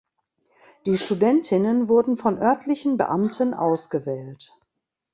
Die Studentinnen wurden von örtlichen Beamten ausgewählt.